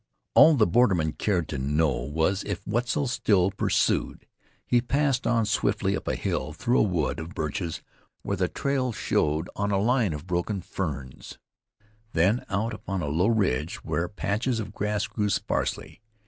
All the borderman cared to know was if Wetzel still pursued. He passed on swiftly up a hill, through a wood of birches where the trail showed on a line of broken ferns, then out upon a low ridge where patches of grass grew sparsely.